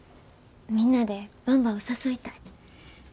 みんなでばんばを誘いたい。